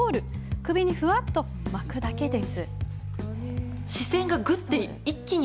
首にふわっと巻くだけです。